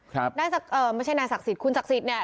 ครับน่าจะเอ่อไม่ใช่นายศักดิ์สิทธิคุณศักดิ์สิทธิ์เนี่ย